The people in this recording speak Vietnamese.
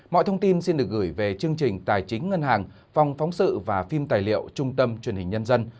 mọi thông tin xin được gửi về chương trình tài chính ngân hàng phòng phóng sự và phim tài liệu trung tâm truyền hình nhân dân